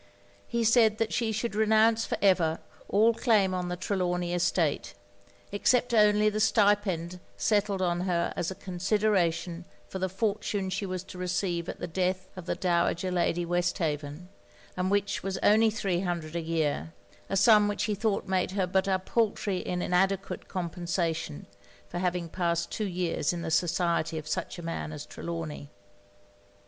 He said that she should renounce for ever all claim on the Trelawny estate, except only the stipend settled on her as a consideration for the fortune she was to receive at the death of the dowager Lady Westhaven, and which was only three hundred a year; a sum which he thought made her but a paltry and inadequate compensation for having passed two years in the society of such a man as Trelawny.